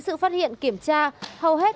sự phát hiện kiểm tra hầu hết